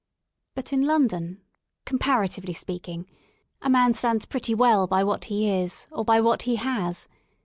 * But in London, comparatively speaking, a man M stands pretty well by what he is or by what he has.